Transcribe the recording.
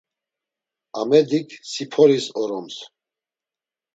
Amedik siporis oroms.